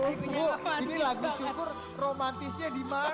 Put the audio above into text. ibu ini lagu syukur romantisnya dimana